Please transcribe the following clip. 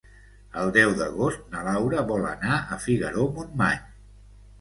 El deu d'agost na Laura vol anar a Figaró-Montmany.